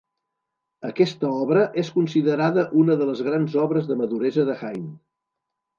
Aquesta obra és considerada una de les grans obres de maduresa de Haydn.